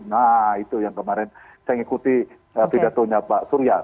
nah itu yang kemarin saya mengikuti pidatonya pak surya